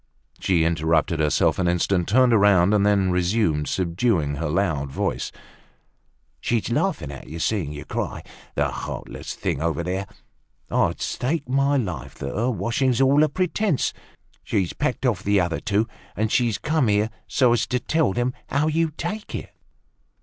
She interrupted herself an instant, turned round, and then resumed, subduing her loud voice: "She's laughing at seeing you cry, that heartless thing over there. I'd stake my life that her washing's all a pretence. She's packed off the other two, and she's come here so as to tell them how you take it."